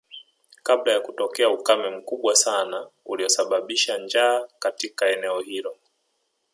Kabla ya kutokea ukame mkubwa sana uliosababisha njaa katika eneo hilo